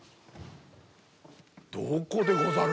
どこでござる。